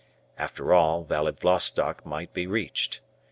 After all, Vladivostock might be reached.